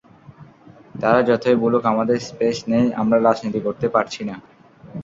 তারা যতই বলুক আমাদের স্পেস নেই, আমরা রাজনীতি করতে পারছি না।